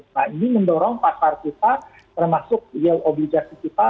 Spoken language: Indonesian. nah ini mendorong pasar kita termasuk yield obligasi kita